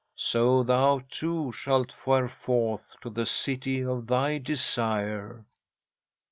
So thou, too, shalt fare forth to the City of thy Desire."